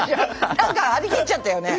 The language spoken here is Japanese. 何か張り切っちゃったよね。